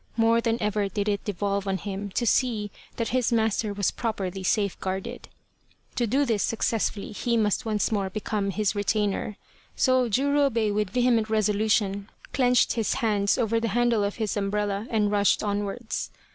More than ever did it devolve on him to see that his master was properly safeguarded. To do this suc cessfully he must once more become his retainer. So Jurobei with vehement resolution clenched his hands over the handle of his umbrella and rushed onwards.